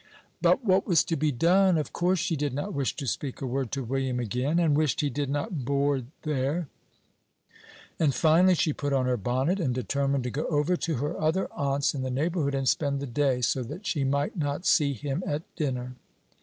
But what was to be done? Of course she did not wish to speak a word to William again, and wished he did not board there; and finally she put on her bonnet, and determined to go over to her other aunt's in the neighborhood, and spend the day, so that she might not see him at dinner.